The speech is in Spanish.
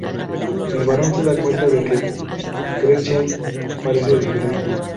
El barón se da cuenta de que Gretchen parece diferente.